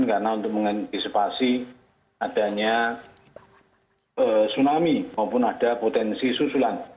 karena untuk mengantisipasi adanya tsunami maupun ada potensi susulan